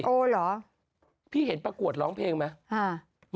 โอ่หรือพี่เห็นประกวดร้องเพลงไหมอ่ะ